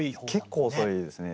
結構遅いですね。